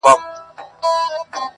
کورنۍ پرېکړه کوي په وېره,